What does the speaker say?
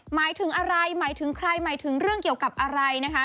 หมายถึงอะไรหมายถึงใครหมายถึงเรื่องเกี่ยวกับอะไรนะคะ